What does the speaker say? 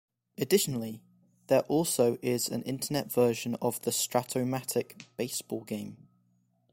Additionally, there also is an Internet version of the Strat-O-Matic Baseball game.